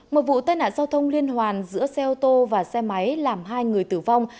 một vụ tai nạn giao thông liên hoàn giữa xe ô tô và xe máy làm hai người tử vong